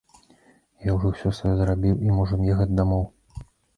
Я ўжо ўсё сваё зрабіў, і можам ехаць дамоў.